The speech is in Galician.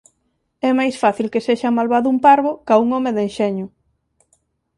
É máis fácil que sexa malvado un parvo ca un home de enxeño.